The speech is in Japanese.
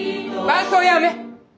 伴奏やめ。